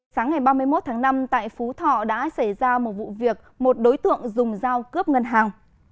sáng ngày ba mươi một tháng năm tại phú thọ đã xảy ra một vụ việc một đối tượng dùng dao cướp ngân hàng